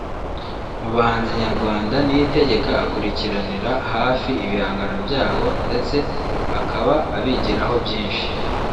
Mu bahanzi nyarwanda Niyitegeka akurikiranira hafi ibihangano byabo ndetse akaba abigiraho byinshi